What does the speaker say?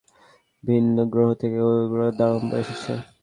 ভিনগ্রহ থেকে শুঁড়ওয়ালা দানব এসেছে!